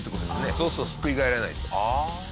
そうそうひっくり返らないと。